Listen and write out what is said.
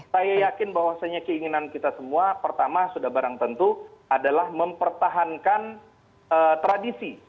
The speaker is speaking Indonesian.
saya yakin bahwasannya keinginan kita semua pertama sudah barang tentu adalah mempertahankan tradisi